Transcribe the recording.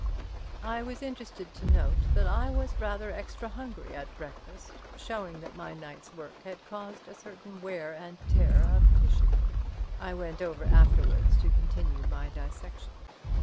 I was interested to note that I was rather extra hungry at breakfast, showing that my night's work had caused a certain wear and tear of tissue. I went over afterwards to continue my dissection.